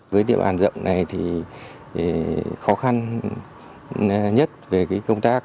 với địa bàn rộng này thì khó khăn nhất về công tác